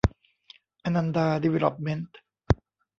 อนันดา ดีเวลลอปเม้นท์